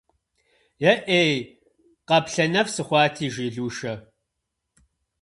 Е-ӏей, къаплъэнэф сыхъуати!- жи Лушэ.